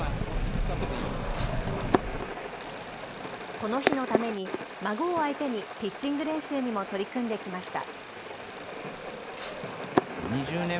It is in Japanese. この日のために孫を相手にピッチング練習にも取り組んできました。